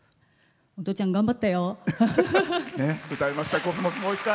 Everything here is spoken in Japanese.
お父ちゃん、頑張ったよ。